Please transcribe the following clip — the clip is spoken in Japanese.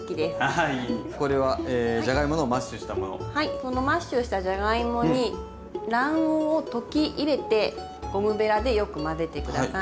そのマッシュしたじゃがいもに卵黄を溶き入れてゴムべらでよく混ぜて下さい。